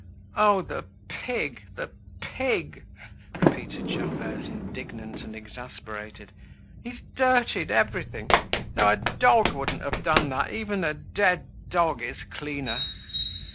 "Oh! the pig! the pig!" repeated Gervaise, indignant and exasperated. "He's dirtied everything. No, a dog wouldn't have done that, even a dead dog is cleaner."